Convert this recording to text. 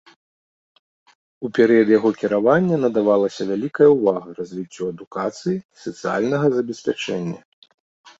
У перыяд яго кіравання надавалася вялікая ўвага развіццю адукацыі і сацыяльнага забеспячэння.